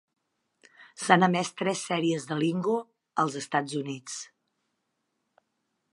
S'han emès tres sèries de Lingo als Estats Units.